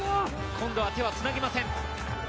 今度は手はつなぎません。